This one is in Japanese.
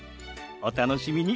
お楽しみに。